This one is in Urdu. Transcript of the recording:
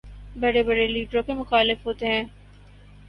بڑے بڑے لیڈروں کے مخالف ہوتے ہیں۔